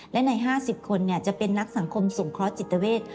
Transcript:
และใน๕๐คนจะเป็นนักสังคมสงเคราะหจิตเวท